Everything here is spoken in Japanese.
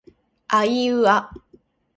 あいうあ